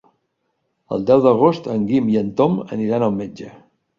El deu d'agost en Guim i en Tom aniran al metge.